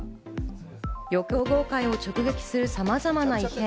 旅行業界を直撃するさまざまな異変。